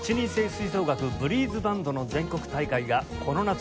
吹奏楽ブリーズバンドの全国大会がこの夏